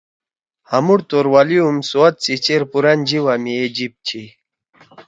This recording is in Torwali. ہامُوڑ توروالی ہُم سوات سی چیر پُرأن جیِبا ما اے جیِب چھی۔